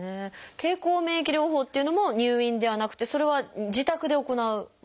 経口免疫療法っていうのも入院ではなくてそれは自宅で行うものなんですか？